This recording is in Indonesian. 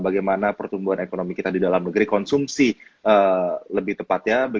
bagaimana pertumbuhan ekonomi kita di dalam negeri konsumsi lebih tepatnya